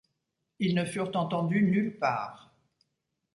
Ils ne furent entendus nulle part.